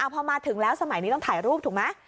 พอมาถึงแล้วสมัยนี้ต้องถ่ายรูปถูกไหม